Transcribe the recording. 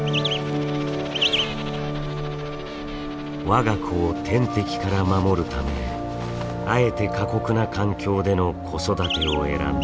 我が子を天敵から守るためあえて過酷な環境での子育てを選んだコウテイペンギン。